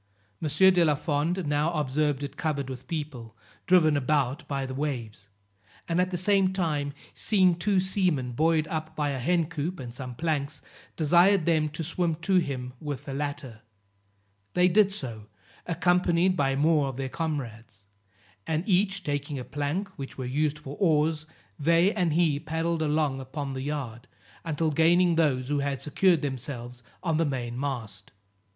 M. de la Fond now observed it covered with people, driven about by the waves; and at the same time, seeing two seamen buoyed up by a hen coop and some planks, desired them to swim to him with the latter; they did so, accompanied by more of their comrades, and each taking a plank, which were used for oars, they and he paddled along upon the yard, until gaining those who had secured themselves on the main mast.